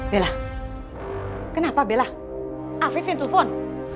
bella kenapa bella afif yang telepon